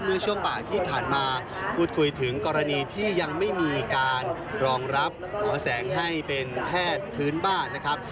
เมื่อช่วงบ่ายที่ผ่านมาพูดคุยถึงกรณีที่ยังไม่มีการรองรับหมอแสงให้เป็นแพทย์พื้นบ้านนะครับ